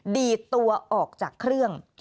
ดีดตัวออกจากเครื่อง